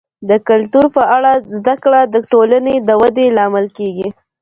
د کلتور په اړه زده کړه د ټولنې د ودي لامل کیږي.